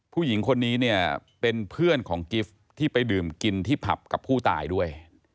ผู้หญิงคนนี้เนี่ยเป็นเพื่อนของกิฟต์ที่ไปดื่มกินที่ผับกับผู้ตายด้วย